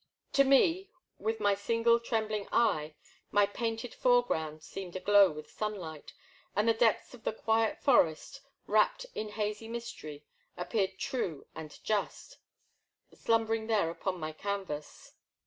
To me, with my single trembling eye, my painted foreground seemed aglow with sunlight, and the depths of the quiet forest, wrapped in hazy mystery, ap peared true and just, slumbering there upon my canvas.